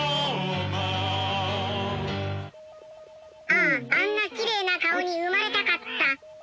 あああんなきれいな顔に生まれたかった。